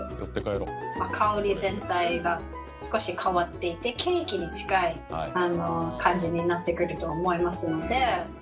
香り全体が少し変わっていてケーキに近い感じになってくると思いますので。